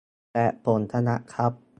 แต่ผมชนะครับ